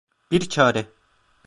Bir çare…